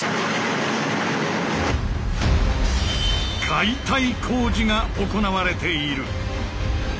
解体工事が行われている！